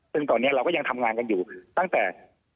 ซึ่งตอนนี้เราก็ยังทำงานกันอยู่ตั้งแต่